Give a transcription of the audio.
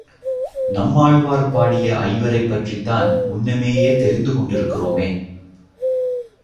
நம்மாழ்வார் பாடிய ஐவரைப் பற்றித்தான் முன்னமேயே தெரிந்து கொண்டிருக்கிறோமே.